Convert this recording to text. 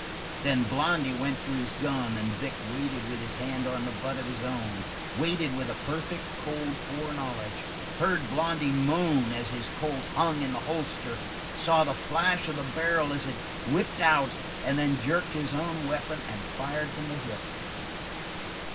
Then Blondy went for his gun, and Vic waited with his hand on the butt of his own, waited with a perfect, cold foreknowledge, heard Blondy moan as his Colt hung in the holster, saw the flash of the barrel as it whipped out, and then jerked his own weapon and fired from the hip.